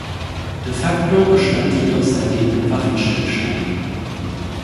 De facto bestand jedoch seitdem ein Waffenstillstand.